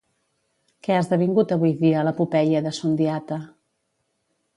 Què ha esdevingut avui dia l'Epopeia de Sundiata?